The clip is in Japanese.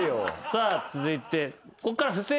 さあ続いて。